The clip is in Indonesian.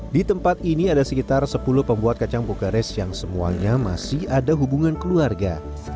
di tempat ini ada sekitar sepuluh pembuat kacang bogares yang semuanya masih ada hubungan keluarga